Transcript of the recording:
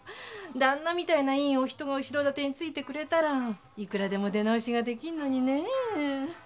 旦那みたいないいお人が後ろ盾についてくれたらいくらでも出直しができんのにねえ。